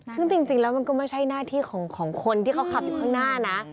ซึ่งจริงแล้วมันก็ไม่ใช่หน้าที่ของคนที่เขาขับอยู่ข้างหน้านะ